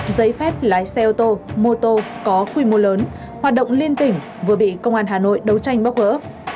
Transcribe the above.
giấy phép lái xe ô tô mô tô có quy mô lớn hoạt động liên tỉnh vừa bị công an hà nội đấu tranh bóc gỡ